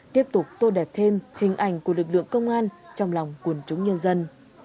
tiếp tục tô đẹp thêm hình ảnh của lực lượng công an trong lòng quần chúng nhân dân